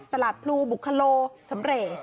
ตลาดพลูบุคโลสำเรด